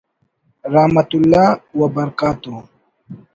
رحمتہ اللہ وبرکاتہ